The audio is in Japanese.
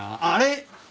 あれ！